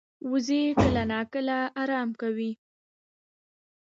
وزې کله ناکله آرام کوي